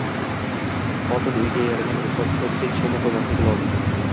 . Xotin uyiga erining ruxsatisiz hech kimni qo‘ymasligi lozim.